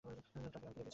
Tracker খুঁজে পেয়েছি।